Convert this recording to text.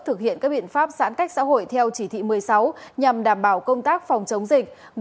thực hiện các biện pháp giãn cách xã hội theo chỉ thị một mươi sáu nhằm đảm bảo công tác phòng chống dịch